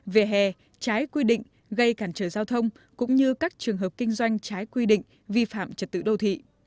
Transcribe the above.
về hè trái quy định gây cản trở giao thông cũng như các trường hợp kinh doanh trái quy định vi phạm trật tự đô thị